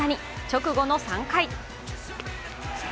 直後の３回。